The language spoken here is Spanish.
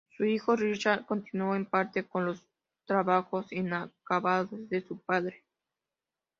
Su hijo Richard continuó en parte con los trabajos inacabados de su padre.